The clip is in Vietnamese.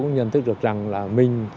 cũng nhận thức được rằng là mình